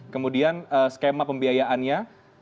kemudian skema pembiayaannya